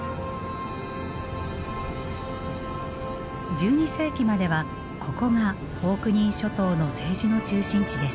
１２世紀まではここがオークニー諸島の政治の中心地でした。